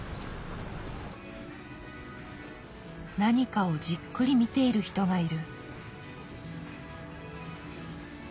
何かをじっくり見ている人がいる。